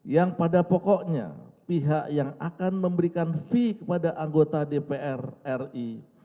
yang pada pokoknya pihak yang akan memberikan fee kepada anggota dpr ri